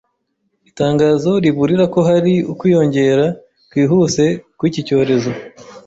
itangazo riburira ko hari ukwiyongera kwihuse kw'iki cyorezo